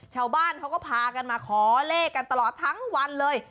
ชาวบ้านเขาก็พากันมาขอเลขกันตลอดทั้งวันเลย